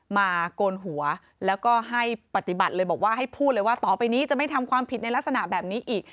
โกนหัวแล้วก็ให้ปฏิบัติเลยบอกว่าให้พูดเลยว่าต่อไปนี้จะไม่ทำความผิดในลักษณะแบบนี้อีก